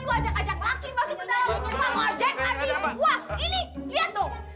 iu ajak ajak laki masuk ke rumah